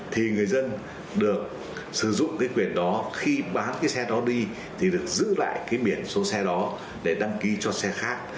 thì người dân được sử dụng cái quyền đó khi bán cái xe đó đi thì được giữ lại cái biển số xe đó để đăng ký cho xe khác